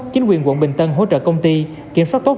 chính quyền quận bình tân hỗ trợ công ty kiểm soát tốt